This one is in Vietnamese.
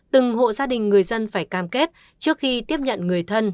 từng hộ gia đình người dân phải cam kết trước khi tiếp nhận người thân